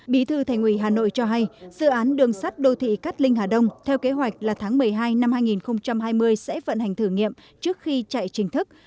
bí thư thành ủy hà nội cho hay dự án đường sắt đô thị cát linh hà đông theo kế hoạch là tháng một mươi hai năm hai nghìn hai mươi sẽ vận hành thử nghiệm trước khi chạy chính thức